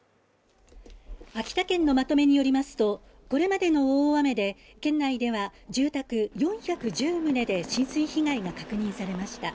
秋田県のまとめによりますと、これまでの大雨で、県内では住宅４１０棟で浸水被害が確認されました。